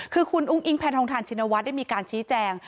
คือคุณอุ้งอิงแพทองทานชินวัฒน์ได้มีการชี้แจง